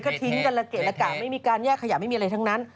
ก็ทิ้งกันละเกะละกะไม่มีการแยกขยะไม่มีอะไรทั้งนั้น